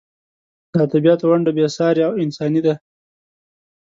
د ادبیاتو ونډه بې سارې او انساني ده.